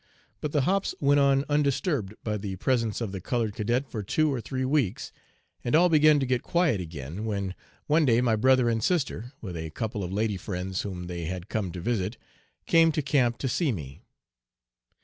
But the 'hops' went on undisturbed by the presence of the colored cadet for two or three weeks, and all began to get quiet again, when one day my brother and sister, with a couple of lady friends whom they had come to visit, came to camp to see me.